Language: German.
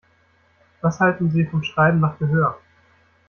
Was halten Sie vom Schreiben nach Gehör?